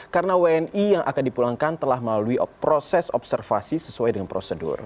karena wni yang akan dipulangkan telah melalui proses observasi sesuai dengan prosedur